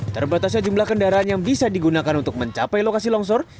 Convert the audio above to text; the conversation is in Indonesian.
terbatasnya jumlah kendaraan yang bisa digunakan untuk mencapai lokasi longsor